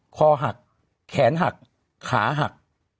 คอหักแขนหักขาหัก